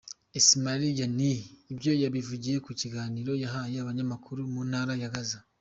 Ismail Haniyeh ibyo yabivugiye mu kiganiro yahaye abanyamakuru mu ntara ya Gaza.